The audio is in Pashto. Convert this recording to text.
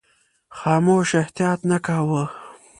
خاموش احتیاط نه کاوه.